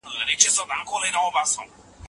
هغه د واک له کمزورۍ سره سره د اصولو څخه وا نه وښت.